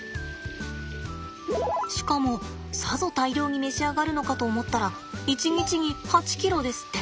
しかもさぞ大量に召し上がるのかと思ったら１日に８ｋｇですって。